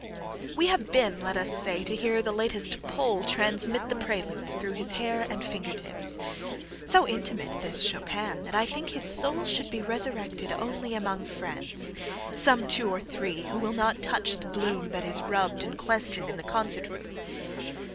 We have been, let us say, to hear the latest PoleTransmit the Preludes, through his hair and finger tips."So intimate, this Chopin, that I think his soulShould be resurrected only among friendsSome two or three, who will not touch the bloomThat is rubbed and questioned in the concert room."